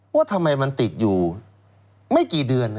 ว่าทำไมมันติดอยู่ไม่กี่เดือน